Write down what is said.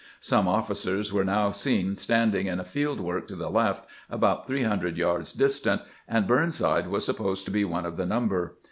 Some officers were now seen standing in a field work to the left, about three hundred yards distant, and Burnside was sup posed to be one of the number.